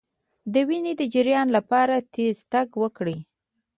د وینې د جریان لپاره تېز تګ وکړئ